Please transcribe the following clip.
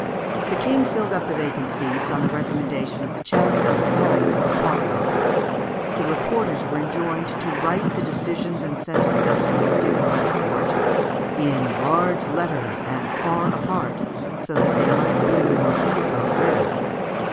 The King filled up the vacant seats on the recommendation of the Chancellor and of the Parliament. The reporters were enjoined to write the decisions and sentences which were given by the court "in large letters, and far apart, so that they might be more easily read."